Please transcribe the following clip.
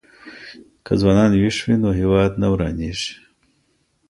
که ځوانان ويښ وي نو هېواد نه ورانېږي.